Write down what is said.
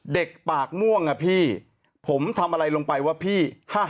เด็กปากม่วงอะพี่ผมทำอะไรลงไปว่าพี่